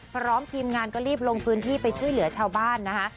พร้อมทีมงานก็รีบลงพื้นที่ไปช่วยเหลือชาวบ้านนะคะ